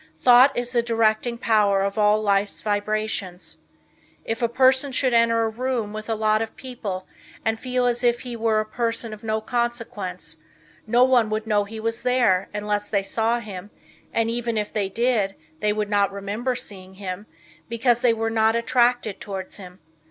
Thought is the directing power of all Life's vibrations. If a person should enter a room with a lot of people and feel as if he were a person of no consequence no one would know he was there unless they saw him, and even if they did, they would not remember seeing him, because they were not attracted towards him.